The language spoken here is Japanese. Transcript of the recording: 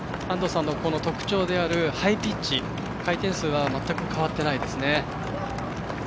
安藤さんの特徴であるハイピッチ、回転数が全く変わっていないです。